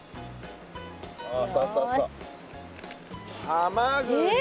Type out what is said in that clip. ハマグリ。